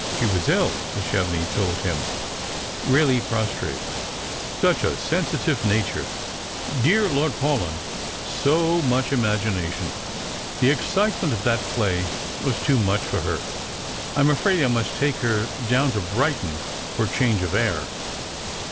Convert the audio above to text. She was ill, Mrs. Chevenix t old him, really prostrate; such a sensitive nature, dear Lord Paulyn, so much imagination. The excitement of that 220 tSlrangers and FiJt/riTne. play was too much for her. I'm afraid I must take her dowE to Brighton for change of air."